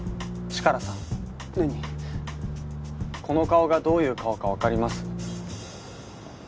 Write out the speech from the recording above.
この顔がどういう顔かわかります？